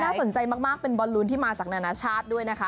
สนใจมากเป็นบอลลูนที่มาจากนานาชาติด้วยนะคะ